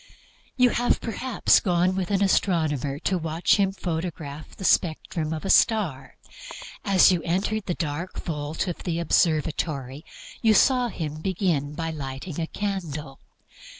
You have, perhaps, gone with an astronomer to watch him photograph the spectrum of a star. As you enter the dark vault of the observatory you saw him begin by lighting a candle.